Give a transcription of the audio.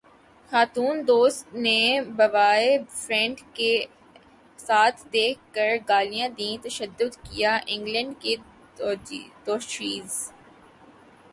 خاتون دوست نے بوائے فرینڈ کے ساتھ دیکھ کر گالیاں دیں تشدد کیا انگلینڈ کی دوشیزہ